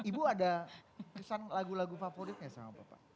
ibu ada kesan lagu lagu favoritnya sama bapak